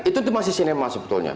itu masih cinema sebetulnya